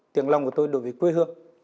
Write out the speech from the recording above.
tiếng lòng của tôi đối với quê hương